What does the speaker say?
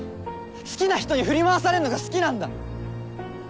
好きな人に振り回されるのが好きなんだ！